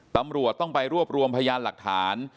ตำรวจต้องไปรวบรวมพยานหลักฐาน